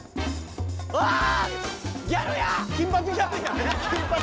ああ！